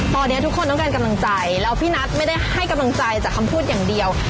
ตอนนี้ทุกคนต้องการกำลังใจแล้วพี่นัทไม่ได้ให้กำลังใจจากคำพูดอย่างเดียว